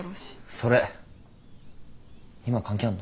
それ今関係あんの？